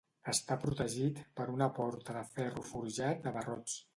Està protegit per una porta de ferro forjat de barrots.